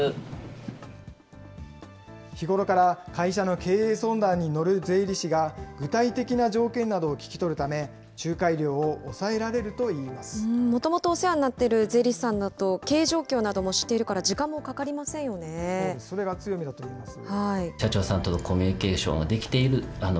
日頃から、会社の経営相談に乗る税理士が、具体的な条件などを聞き取るため、もともとお世話になっている税理士さんだと、経営状況なども知っているから時間もかかりませそれが強みだといいます。